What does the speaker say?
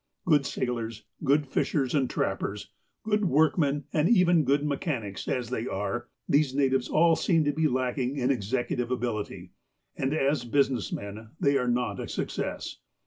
Good sailors, good fishers, and trappers, good work men, and even good mechanics, as they are, these natives all seem to be lacking in executive ability. And as busi ness men, they are not a success.